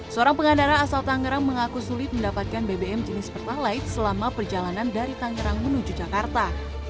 seorang pengendara asal tangerang mengaku sulit mendapatkan bbm jenis pertalite selama perjalanan dari tangerang menuju jakarta